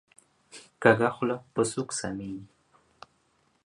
کږه خوله په سوک سمیږي